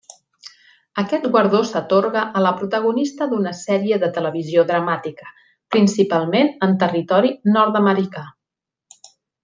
Aquest guardó s'atorga a la protagonista d'una sèrie de televisió dramàtica, principalment en territori nord-americà.